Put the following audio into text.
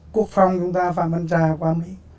quốc phòng chúng ta phạm văn trà qua mỹ